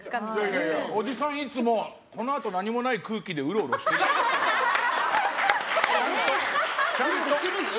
いやいや、おじさんはいつもこのあと何もない空気でウロウロしてるよ？ちゃんとしてるよ。